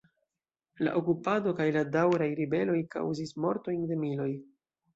La okupado kaj la daŭraj ribeloj kaŭzis mortojn de miloj.